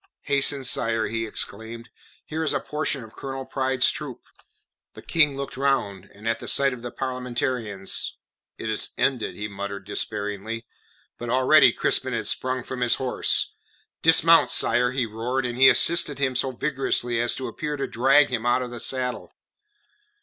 "Hasten, sire," he exclaimed, "here is a portion of Colonel's Pride's troop." The King looked round, and at sight of the Parliamentarians, "It is ended," he muttered despairingly. But already Crispin had sprung from his horse. "Dismount, sire," he roared, and he assisted him so vigorously as to appear to drag him out of the saddle.